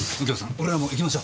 俺らも行きましょ。